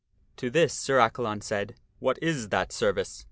To this Sir Accalon said, " What is that service